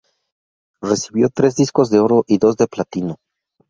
Recibió tres discos de oro y dos de platino.